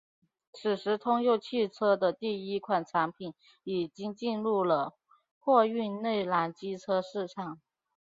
此时通用汽车的第一款产品已经进入了货运内燃机车市场。